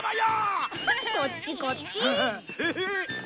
こっちこっち。